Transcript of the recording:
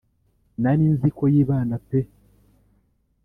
Narinziko yibana pe